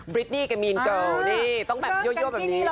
บริตตี้กับมีนเกิลนี่ต้องแบบเยอะแบบนี้